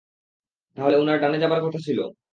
তাহলে উনার ডানে যাবার কথা ছিল।